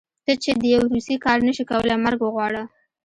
ته چې د يو روسي کار نشې کولی مرګ وغواړه.